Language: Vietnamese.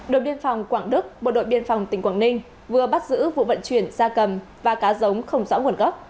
đội biên phòng quảng đức bộ đội biên phòng tỉnh quảng ninh vừa bắt giữ vụ vận chuyển da cầm và cá giống không rõ nguồn gốc